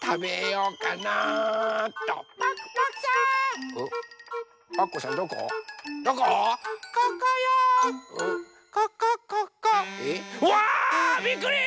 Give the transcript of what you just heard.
うわびっくり！